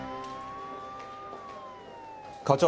課長。